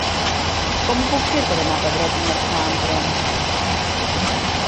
Com ho puc fer per anar a Pedret i Marzà amb tren?